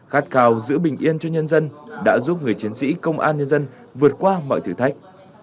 khát cào giữ bình yên cho nhân dân đã giúp người chiến sĩ công an nhân dân vượt qua mọi thử thách